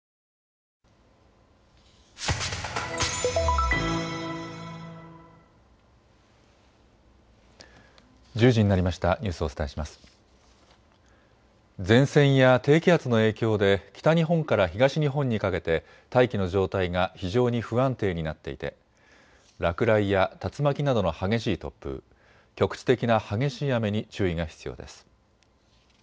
前線や低気圧の影響で北日本から東日本にかけて大気の状態が非常に不安定になっていて落雷や竜巻などの激しい突風局地的な激しい雨に注意が必要です。